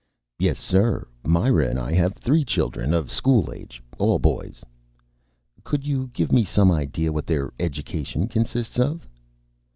_) "Yes, sir. Myra and I have three children of school age. All boys." "Could you give me some idea what their education consists of?"